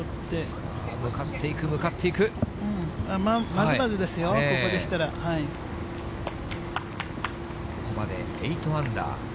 まずまずですよ、ここでしたここまで８アンダー。